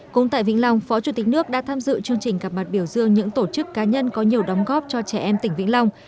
cũng tại vĩnh long phó chủ tịch nước đã tham dự chương trình gặp mặt biểu dương những tổ chức cá nhân có nhiều đóng góp cho trẻ em tỉnh vĩnh long